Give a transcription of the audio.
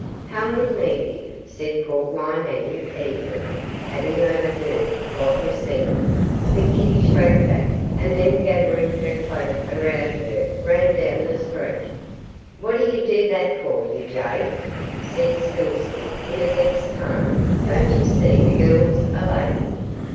'Come with me, dear,' said Portwine Annie, eagerly, having overheard what was said, but Kitty shrank back, and then gathering her cloak around her ran down the street. 'What do you do that for, you jade?' said Spilsby, in a vexed tone; 'don't you see the girl's a lady.